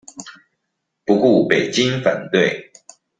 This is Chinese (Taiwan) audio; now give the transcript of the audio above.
不顧北京反對